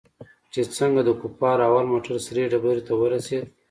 چې څنگه د کفارو اول موټر سرې ډبرې ته ورسېد.